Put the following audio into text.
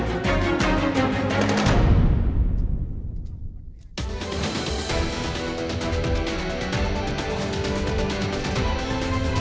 kepala komoditi lantai